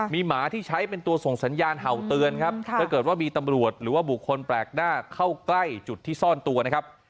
มีหมาที่ใช้เป็นตัวส่งสัญญาณเห่าเตือนครับถ้าเกิดว่ามีตำรวจหรือว่าบุคคลแปลกหน้าเข้าใกล้จุดที่ซ่อนตัวนะครับ